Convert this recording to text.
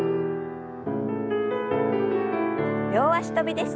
両脚跳びです。